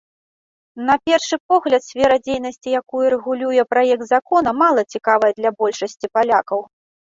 На першы погляд, сфера дзейнасці, якую рэгулюе праект закона, мала цікавая для большасці палякаў.